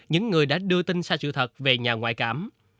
những người đã đưa tin sai sự thật về nhà ngoại cảm